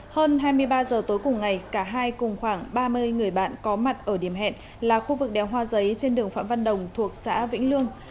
hơn hai mươi ba giờ tối cùng ngày cả hai cùng khoảng ba mươi người bạn có mặt ở điểm hẹn là khu vực đeo hoa giấy trên đường phạm văn đồng thuộc xã vĩnh lương